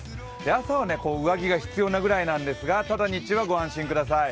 朝は上着が必要なぐらいなんですが、ただ日中はご安心ください。